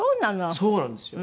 そうなんですよ。